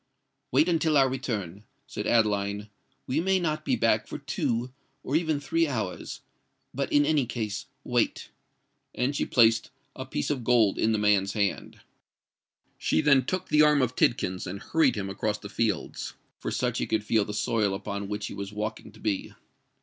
"Wait until our return," said Adeline: "we may not be back for two, or even three hours;—but in any case wait." And she placed a piece of gold in the man's hand. She then took the arm of Tidkins and hurried him across the fields—for such he could feel the soil upon which he was walking to be.